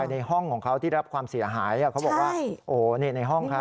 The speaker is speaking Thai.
ในห้องของเขาที่รับความเสียหายเขาบอกว่าโอ้โหนี่ในห้องเขา